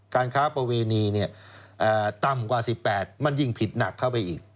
การค้าประเวณีเนี่ยอ่าต่ำกว่าสิบแปดมันยิ่งผิดหนักเข้าไปอีก